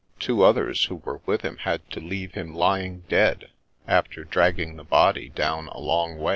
Two others who were with him had to leave him lying dead, after dragging the body down a long way."